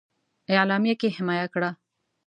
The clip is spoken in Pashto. اعلامیه کې حمایه کړه.